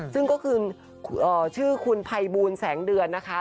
ซึ่งก็คือชื่อคุณภัยบูลแสงเดือนนะคะ